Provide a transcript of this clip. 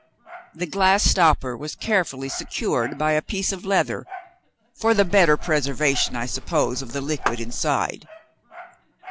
The glass stopper was carefully secured by a piece of leather, for the better preservation, I suppose, of the liquid inside.